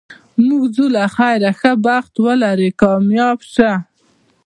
موږ ځو له خیره، ښه بخت ولرې، کامیاب شه.